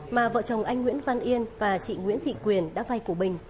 mà vợ chồng anh nguyễn văn yên và chị nguyễn thị quyền đã vay của bình